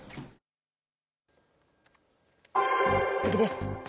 次です。